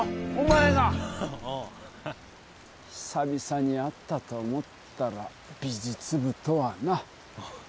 久々に会ったと思ったら美術部とはな。